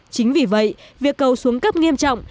chính vì vậy việc cầu xuống cấp nghiêm trọng